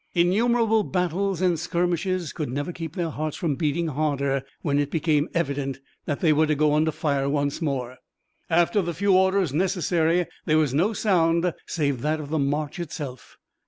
Innumerable battles and skirmishes could never keep their hearts from beating harder when it became evident that they were to go under fire once more. After the few orders necessary, there was no sound save that of the march itself.